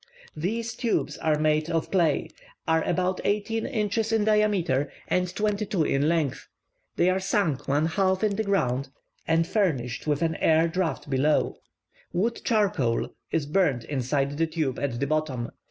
These tubes are made of clay, are about eighteen inches in diameter, and twenty two in length; they are sunk one half in the ground, and furnished with an air draft below. Wood charcoal is burnt inside the tube at the bottom.